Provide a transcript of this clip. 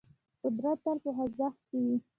قدرت تل په خوځښت کې وي.